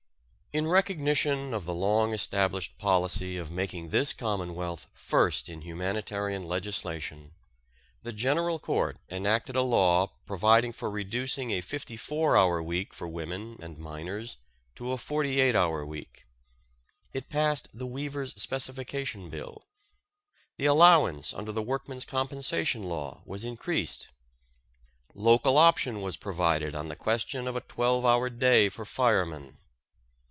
In recognition of the long established policy of making this Commonwealth first in humanitarian legislation, the General Court enacted a law providing for reducing a fifty four hour week for women and minors to a forty eight hour week. It passed the weavers' specification bill. The allowance under the workmen's compensation law was increased. Local option was provided on the question of a twelve hour day for firemen.